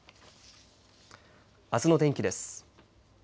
あすの天気です。